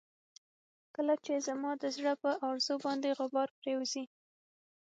کله چې زما د زړه پر ارزو باندې غبار پرېوځي.